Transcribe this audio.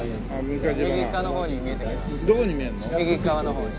右側の方に。